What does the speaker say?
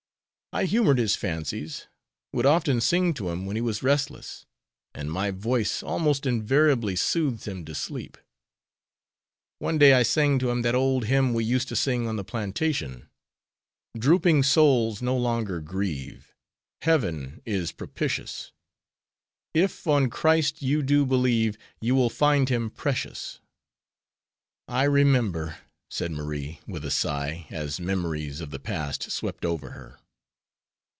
I humored his fancies, would often sing to him when he was restless, and my voice almost invariably soothed him to sleep. One day I sang to him that old hymn we used to sing on the plantation: "Drooping souls no longer grieve, Heaven is propitious; If on Christ you do believe, You will find Him precious." "I remember," said Marie, with a sigh, as memories of the past swept over her.